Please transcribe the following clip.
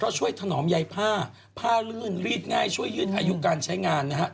ช่วยถนอมใยผ้าผ้าลื่นรีดง่ายช่วยยืดอายุการใช้งานนะฮะ